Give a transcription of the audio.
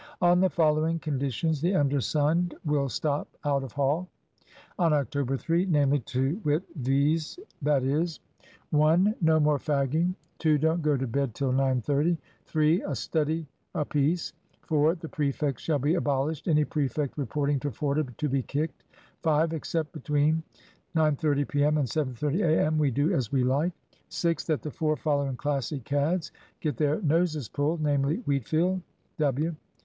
"On the following conditions the undersigned will stop out of Hall on October 3, namely, to wit, viz., i.e.: "1. No more fagging. "2. Don't go to bed till 9:30. "3. A study a piece. "4. The prefects shall be abolished. Any prefect reporting to Forder to be kicked. "5. Except between 9:30 p.m. and 7:30 a.m. we do as we like. "6. That the four following Classic cads get their noses pulled; namely Wheatfield, W.